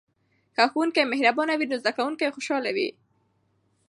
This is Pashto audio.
که ښوونکی مهربانه وي نو زده کوونکي خوشحاله وي.